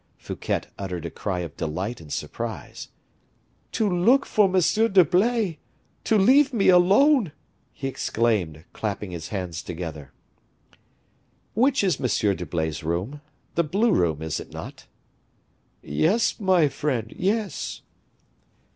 Fouquet uttered a cry of delight and surprise. "To look for M. d'Herblay! to leave me alone!" he exclaimed, clasping his hands together. "Which is M. d'Herblay's room? The blue room is it not?" "Yes, my friend, yes."